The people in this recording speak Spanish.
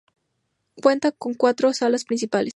Cuenta con cuatro salas principales.